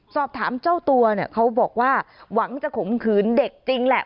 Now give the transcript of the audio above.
สอบถามเจ้าตัวเนี่ยเขาบอกว่าหวังจะข่มขืนเด็กจริงแหละ